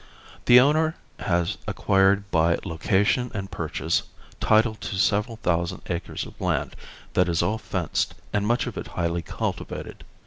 The owner has acquired by location and purchase, title to several thousand acres of land, that is all fenced and much of it highly cultivated.